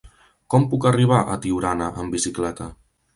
Com puc arribar a Tiurana amb bicicleta?